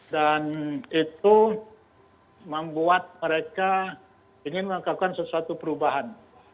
dan itu membuat mereka ingin melakukan sesuatu perubahan